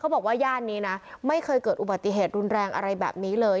บอกว่าย่านนี้นะไม่เคยเกิดอุบัติเหตุรุนแรงอะไรแบบนี้เลย